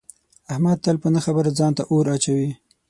احمد تل په نه خبره ځان اور ته اچوي.